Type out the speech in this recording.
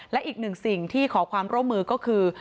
และอีกหนึ่งสิ่งที่ขอความร่วมมือก็คือ